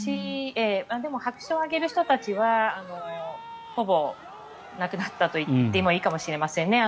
白紙を上げる人たちはほぼいなくなったといってもいいかもしれませんね。